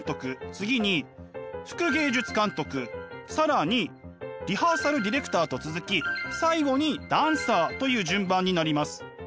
次に副芸術監督更にリハーサル・ディレクターと続き最後にダンサーという順番になります。